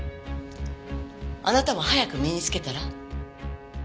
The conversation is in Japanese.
あなたも早く身につけたら？